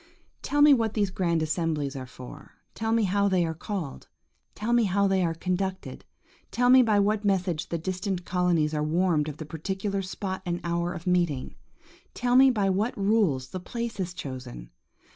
Tell me what these grand assemblies are for; tell me how they are called; tell me how they are conducted; tell me by what message the distant colonies are warned of the particular spot and hour of meeting. Tell me by what rules the place is chosen.